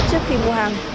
trước khi mua hàng